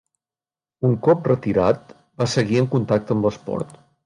Un cop retirat, va seguir en contacte amb l'esport.